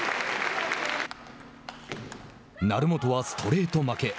成本はストレート負け。